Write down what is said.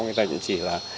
người ta cũng chỉ là